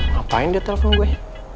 ngapain dia telepon gue